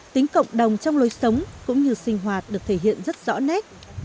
tính cộng đồng trong lối sống cũng như sinh hoạt được thể hiện rất rõ nét